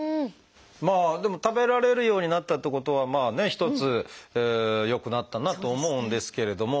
まあでも食べられるようになったってことはまあね一つ良くなったなと思うんですけれども